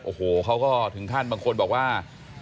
โอ้โหเขาก็ถึงขั้นบางคนบอกว่า